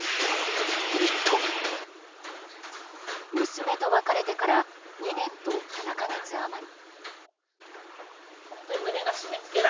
娘と別れてから２年と７か月余り。